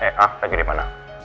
eh ah lagi dimana